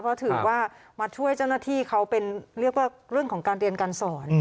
เพราะถือว่ามาช่วยเจ้าหน้าที่เขาเป็นเรียกว่าเรื่องของการเรียนการสอน